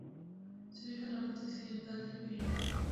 Se ubica en la parte occidental del Pirineo.